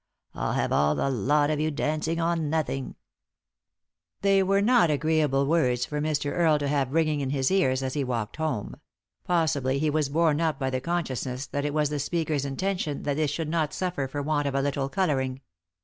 I'll have all the lot of you dancing on nothing I " They were not agreeable words for Mr. Earle to have ringing in his ears as he walked home ; possibly he was borne up by the consciousness that it was the speaker's intention that they should not suffer for want of a little colouring.